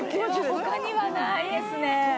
これは他にはないですね。